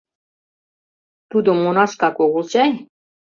Тудо монашкак огыл чай?